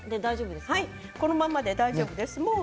このままで大丈夫です。